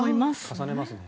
重ねますね。